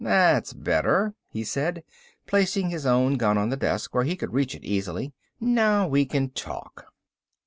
"That's better," he said, placing his own gun on the desk where he could reach it easily. "Now we can talk."